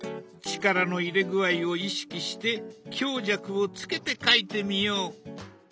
力の入れ具合を意識して強弱をつけて描いてみよう。